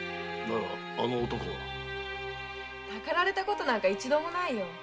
たかられたことなんか一度もないよ。